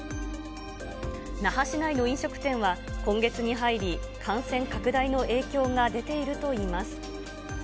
那覇市内の飲食店は今月に入り、感染拡大の影響が出ているといいます。